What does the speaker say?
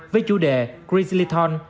với chủ đề grizzly thorn